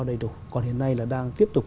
đầy đủ còn hiện nay là đang tiếp tục